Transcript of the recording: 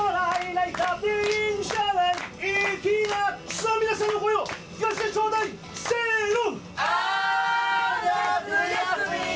さあ皆さんの声を聞かせてちょうだいせの！